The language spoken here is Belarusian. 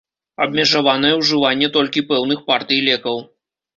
Абмежаванае ўжыванне толькі пэўных партый лекаў.